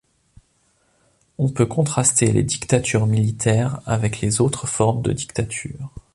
On peut contraster les dictatures militaires avec les autres formes de dictatures.